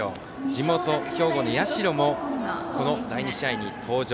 地元・兵庫の社もこの第２試合に登場。